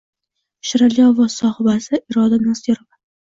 shirali ovoz sohibasi Iroda Nosirova.